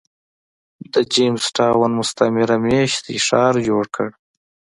د جېمز ټاون مستعمره مېشتی ښار جوړ کړ.